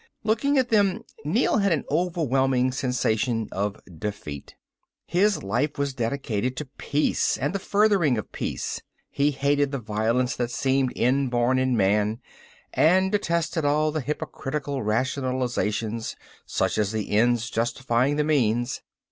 Looking at them, Neel had an overwhelming sensation of defeat. His life was dedicated to peace and the furthering of peace. He hated the violence that seemed inborn in man, and detested all the hypocritical rationalizations, such as the ends justifying the means.